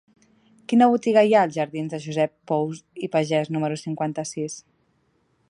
Quina botiga hi ha als jardins de Josep Pous i Pagès número cinquanta-sis?